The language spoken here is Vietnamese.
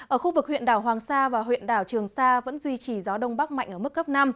ở khu vực huyện đảo hoàng sa và huyện đảo trường sa vẫn duy trì gió đông bắc mạnh ở mức cấp năm